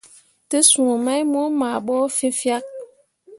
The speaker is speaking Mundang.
Te suu mai mo maa ɓo fẽefyak.